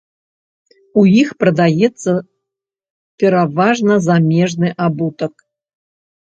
У іх прадаецца пераважна замежны абутак.